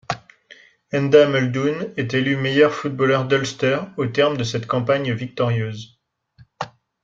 Enda Muldoon est élu meilleur footballeur d’Ulster au terme de cette campagne victorieuse.